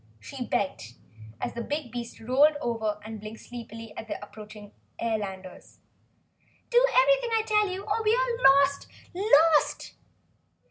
she begged, as the big beast rolled over and blinked sleepily at the approaching airlanders. "Do everything I tell you or we are lost, LOST!"